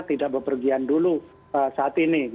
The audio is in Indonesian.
tidak berpergian dulu saat ini